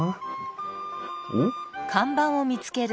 おっ？